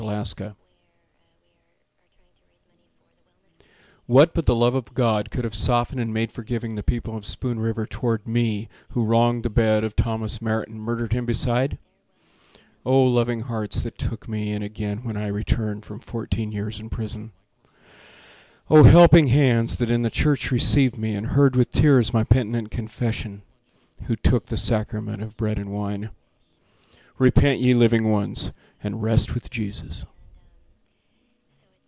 Elmer Karr What but the love of God could have softened And made forgiving the people of Spoon River Toward me who wronged the bed of Thomas Merritt And murdered him beside? Oh, loving hearts that took me in again When I returned from fourteen years in prison! Oh, helping hands that in the church received me And heard with tears my penitent confession, Who took the sacrament of bread and wine! Repent, ye living ones, and rest with Jesus.